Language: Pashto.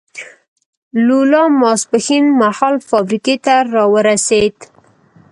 لولا ماسپښین مهال فابریکې ته را ورسېد.